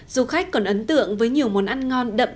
du khách còn ấn tượng với nhiều món ăn ngon đậm